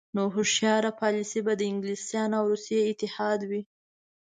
نو هوښیاره پالیسي به د انګلستان او روسیې اتحاد وي.